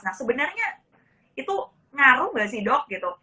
nah sebenarnya itu ngaruh nggak sih dok